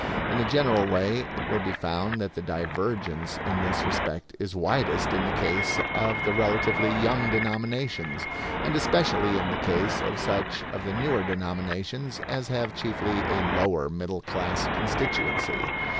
In a general way it will be found that the divergence in this respect is widest in the case of the relatively young denominations, and especially in the case of such of the newer denominations as have chiefly a lower middle class constituency.